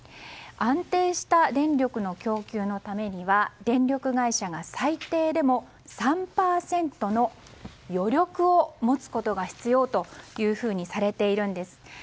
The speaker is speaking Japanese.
安定した電力の供給のためには電力会社が最低でも３％の余力を持つことが必要とされているんです。